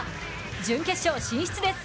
準決勝進出です。